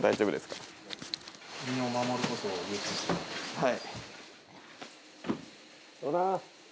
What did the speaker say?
はい。